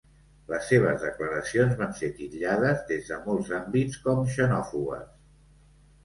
Les seves declaracions van ser titllades des de molts àmbits com xenòfobes.